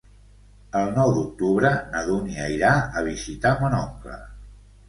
El nou d'octubre na Dúnia irà a visitar mon oncle.